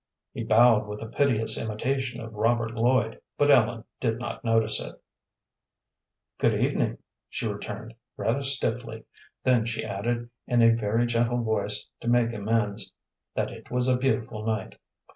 He bowed with a piteous imitation of Robert Lloyd, but Ellen did not notice it. "Good evening," she returned, rather stiffly, then she added, in a very gentle voice, to make amends, that it was a beautiful night.